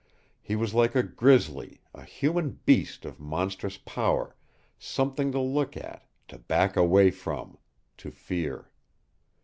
He was like a grizzly, a human beast of monstrous power, something to look at, to back away from, to fear.